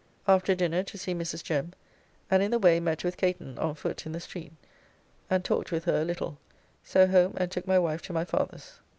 After dinner to see Mrs. Jem, and in the way met with Catan on foot in the street and talked with her a little, so home and took my wife to my father's.